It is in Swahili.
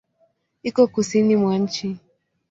Iko kusini mwa nchi.